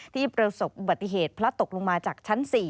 ที่เป็นสมบัติเหตุพละตกลงมาจากชั้น๔